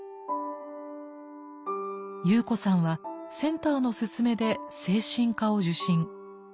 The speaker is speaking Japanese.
ユウコさんはセンターの勧めで精神科を受診。